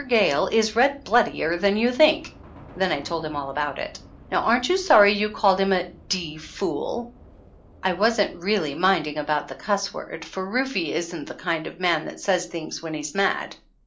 Gayle is red bloodier than you think!" Then I told him all about it. "Now aren't you sorry you called him a d fool?" I wasn't really minding about the cuss word, for Rufe isn't the kind of a man that says things when he's mad.